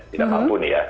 tidak mampu nih ya